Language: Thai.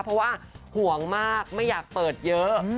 เพราะว่าห่วงมากไม่อยากเปิดเยอะ